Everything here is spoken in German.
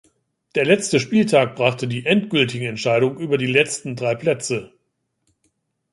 Der letzte Spieltag brachte die endgültige Entscheidung über die letzten drei Plätze.